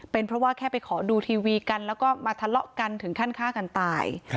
เป็นเพราะว่าแค่ไปขอดูทีวีกันแล้วก็มาทะเลาะกันถึงขั้นฆ่ากันตาย